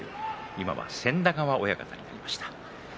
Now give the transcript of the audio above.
千田川親方になりました。